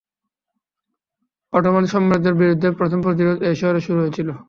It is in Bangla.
অটোমান সাম্রাজ্যের বিরুদ্ধে প্রথম প্রতিরোধ এই শহরে শুরু হয়েছিলো।